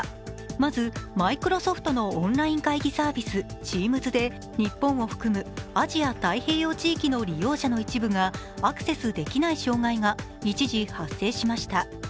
まず、マイクロソフトのオンラインサービスＴｅａｍｓで日本を含むアジア太平洋地域の利用者の一部がアクセスできない障害が一時発生しました。